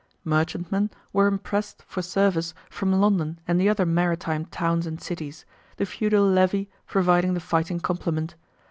Merchantmen were impressed for service from London and the other maritime towns and cities, the feudal levy providing the fighting complement.